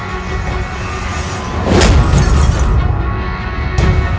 hancurkan pada jarak